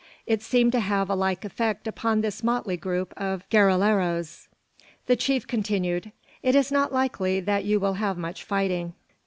It seemed to have a like effect upon this motley group of guerilleros. The chief continued "It is not likely that you will have much fighting.